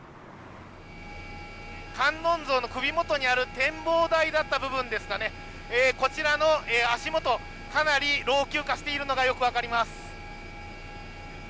観音像の首元にある展望台だった部分ですがこちらの足元かなり老朽化しているのがよく分かります。